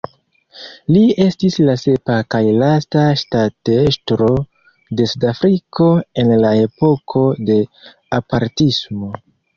Li estis la sepa kaj lasta ŝtatestro de Sudafriko en la epoko de apartismo.